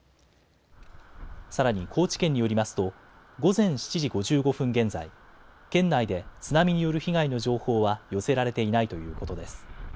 さらに高知県によりますと午前７時５５分現在、県内で津波による被害の情報は寄せられていないということです。